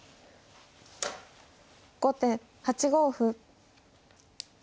後手８五歩。